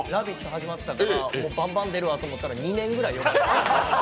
始まったからバンバン出るわと思ったら２年ぐらい呼ばれない。